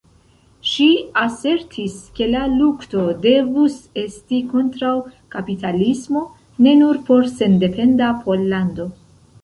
Ŝi asertis ke la lukto devus esti kontraŭ kapitalismo, ne nur por sendependa Pollando.